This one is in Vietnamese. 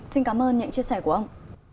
xin cảm ơn những chia sẻ của ông